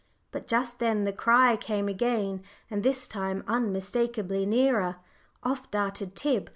But just then the cry came again, and this time unmistakably nearer. Off darted Tib.